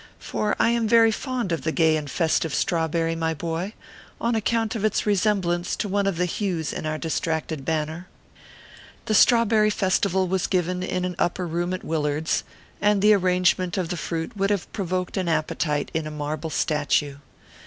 For I am very fond of the gay and festive strawberry, my boy, on account of its resemblance to one of the hues in our distracted banner. ORPHEUS C. KERR PAPERS. 367 The Strawberry Festival was given in an upper room at AVillard s, and the arrangement of the fruit would have provoked an appetite in a marble statue.